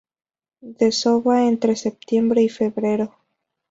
Desova entre septiembre y febrero.